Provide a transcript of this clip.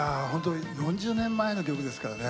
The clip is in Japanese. ４０年前の曲ですからね